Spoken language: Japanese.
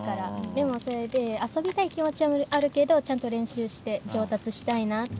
でもそれで遊びたい気持ちはあるけどちゃんと練習して上達したいなって。